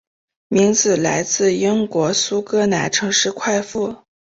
名字来自英国苏格兰城市快富。